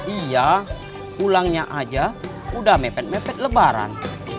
iya pulangnya aja udah mepet mepet lebaran